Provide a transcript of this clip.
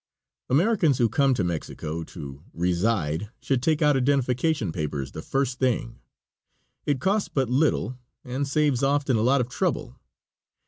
Americans who come to Mexico to reside should take out identification papers the first thing. It costs but little and saves often a lot of trouble.